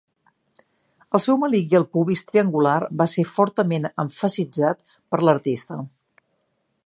El seu melic i el pubis triangular va ser fortament emfasitzat per l'artista.